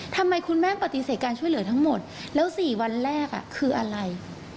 ทำไมคุณแม่ปฏิเสธการช่วยเหลือทั้งหมดแล้ว๔วันแรกคืออะไร